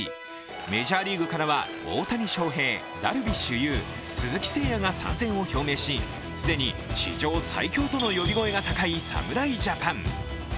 メジャーリーグからは大谷翔平、ダルビッシュ有、鈴木誠也が参戦を表明し既に史上最強との呼び声が高い侍ジャパン。